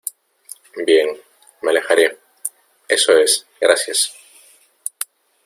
Bien, me alejaré. Eso es . gracias .